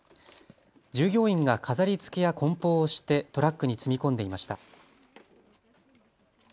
従業員が飾りつけやこん包をしてトラックに積み込んでいました。